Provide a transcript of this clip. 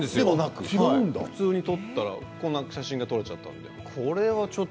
普通に撮ったらこんな写真が撮れちゃった。